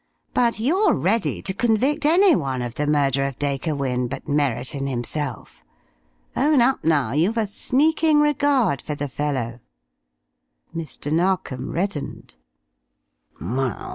But you're ready to convict any one of the murder of Dacre Wynne but Merriton himself. Own up now; you've a sneaking regard for the fellow!" Mr. Narkom reddened.